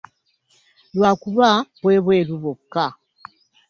Lwakuba bw'ebweru bwokka.